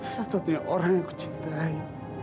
satu satunya orang yang ku cintai